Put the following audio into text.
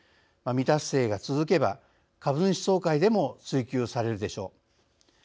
未達成が続けば、株主総会でも追及されるでしょう。